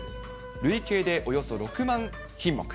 累計でおよそ６万品目。